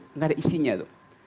tidak ada isinya tuh